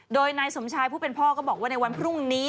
โดยนายสมชายผู้เป็นพ่อก็บอกว่าในวันพรุ่งนี้